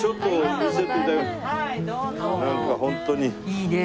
いいね！